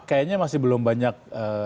kayaknya masih belum banyak